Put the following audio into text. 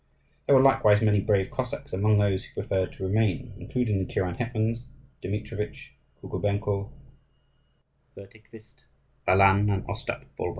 There were likewise many brave Cossacks among those who preferred to remain, including the kuren hetmans, Demitrovitch, Kukubenko, Vertikhvist, Balan, and Ostap Bulba.